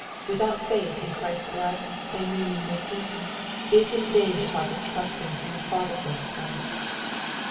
Without faith in Christ's blood, and union with Him. it is vain to talk of trusting in the Fatherhood of God.